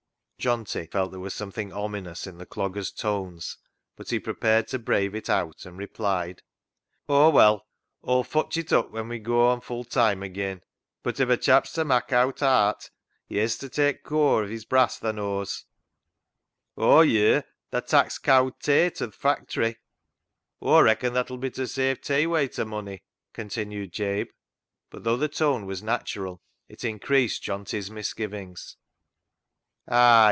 Johnty felt there was something ominous in the dogger's tones, but he prepared to brave it out, and replied —" Oh, well, Aw'll fotch it up when we goa on full time agean ; but if a chap's ta mak' owt aat he hez ta tak' cur of his brass, tha knows." " Aw ye'r, tha tak's cowd tay to th' factory ; Aw reacon that'll be to save tay wayter money," continued Jabe. But though the tone was natural, it increased Johnty's misgivings. " Ay